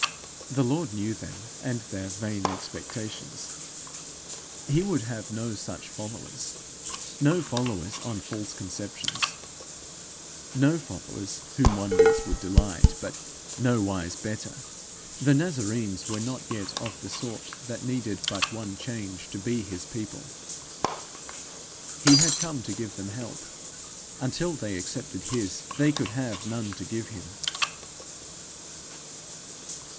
The Lord knew them, and their vain expectations. He would have no such followers no followers on false conceptions no followers whom wonders would delight but nowise better! The Nazarenes were not yet of the sort that needed but one change to be his people. He had come to give them help; until they accepted his, they could have none to give him.